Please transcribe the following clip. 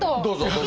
どうぞ。